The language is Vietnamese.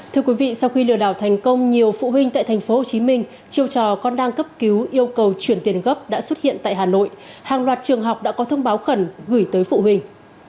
thưa quý vị sau khi lừa đảo thành công nhiều phụ huynh tại tp hcm chiều trò con đang cấp cứu yêu cầu chuyển tiền gấp đã xuất hiện tại hà nội hàng loạt trường học đã có thông báo khẩn gửi tới phụ huynh